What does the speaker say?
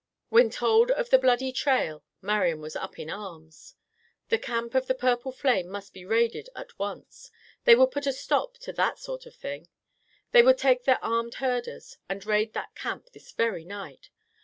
When told of the bloody trail, Marian was up in arms. The camp of the purple flame must be raided at once. They would put a stop to that sort of thing. They would take their armed herders and raid that camp this very night.